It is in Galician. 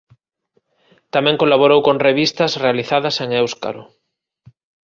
Tamén colaborou con revistas realizadas en éuscaro.